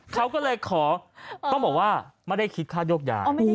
เขาก็เลยขอต้องบอกว่าไม่ได้คิดค่าโยกยา